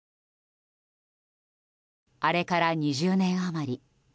あれから２０年余り。